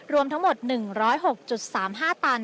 รวมทั้งหมด๑๐๖๓๕ตัน